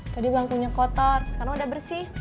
tadi bangkunya kotor sekarang udah bersih